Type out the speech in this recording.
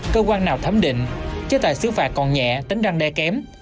cơ quan nào thấm định chứ tại xử phạt còn nhẹ tính răng đe kém